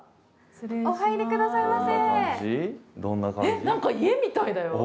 お入りくださいませ。